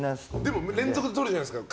でも連続で撮るじゃないですか。